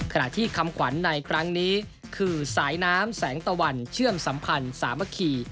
ที่คำขวัญในครั้งนี้คือสายน้ำแสงตะวันเชื่อมสัมพันธ์สามัคคี